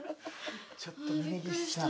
ちょっと峯岸さん。